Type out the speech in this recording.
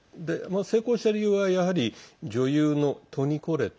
成功した理由は、やはり女優のトニ・コレット。